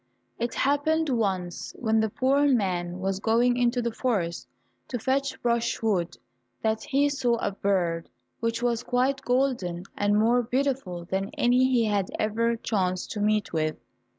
It happened once when the poor man was going into the forest to fetch brush wood, that he saw a bird which was quite golden and more beautiful than any he had ever chanced to meet with.